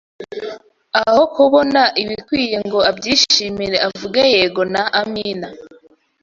aho kubona ibikwiriye ngo abyishimire avuge yego na Amina